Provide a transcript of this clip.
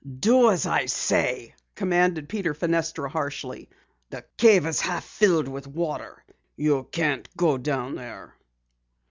"Do as I say!" commanded Peter Fenestra harshly. "The cave is half filled with water. You can't go down there."